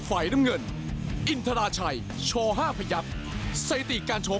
สุดท้ายเข็มขาดเส้นนี้เป็นของใครห้ามกระพริบตาเด็ดขาดนะครับ